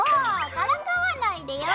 からかわないでよ！